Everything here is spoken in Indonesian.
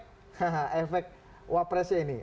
haha efek wakil presiden ini